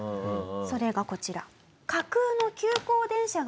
それがこちら。